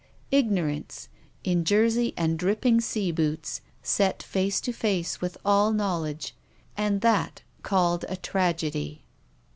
Ignorance, in jersey and dripping sea boots, set face to face with all knowledge, and that called a tragedy